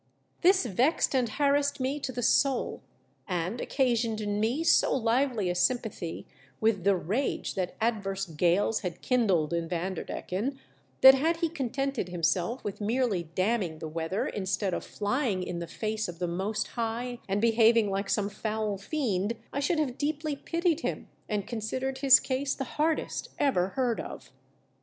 This vexed and harassed me to the soul, and occasioned in me so lively a sympathy with the raofe that adverse oales had kindled in Vanderdecken, that had he contented him self with merely damning the weather instead of flying in the face of the Most High and behaving like some foul fiend, I should have deeply pitied him and considered his case the 3l6 THE DEATH SHIP. hardest ever heard of.